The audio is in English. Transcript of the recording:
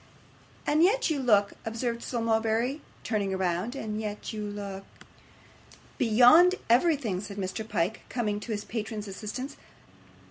'And yet you look,' observed Sir Mulberry, turning round; 'and yet you look ' 'Beyond everything,' said Mr. Pyke, coming to his patron's assistance.